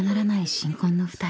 新婚の２人］